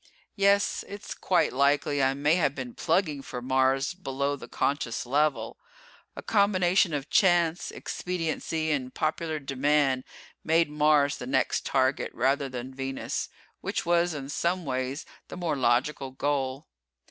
Yes, it's quite likely I may have been plugging for Mars below the conscious level. A combination of chance, expediency and popular demand made Mars the next target, rather than Venus, which was, in some ways, the more logical goal.